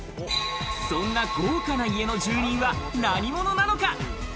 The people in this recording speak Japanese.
そんな豪華な家の住人は何者なのか。